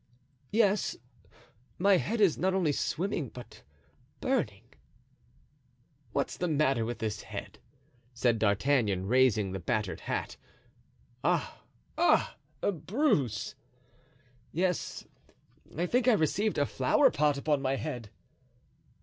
"Yes; my head is not only swimming but burning." "What's the matter with this head?" said D'Artagnan, raising the battered hat. "Ah! ah! a bruise." "Yes, I think I received a flower pot upon my head."